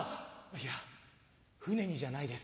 いや船にじゃないです。